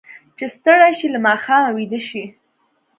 چې ستړي شي، له ماښامه ویده شي.